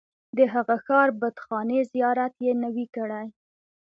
د هغه ښار بتخانې زیارت یې نه وي کړی.